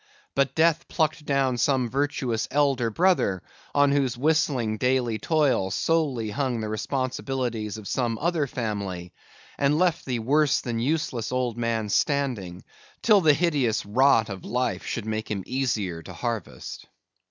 But Death plucked down some virtuous elder brother, on whose whistling daily toil solely hung the responsibilities of some other family, and left the worse than useless old man standing, till the hideous rot of life should make him easier to harvest.